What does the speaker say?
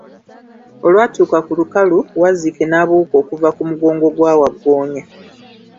Olwatuuka ku lukalu, Waziike n'abuuka okuva ku mugongo gwa Wagggoonya.